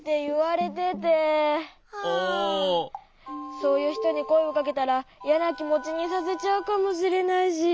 そういうひとにこえをかけたらいやなきもちにさせちゃうかもしれないし。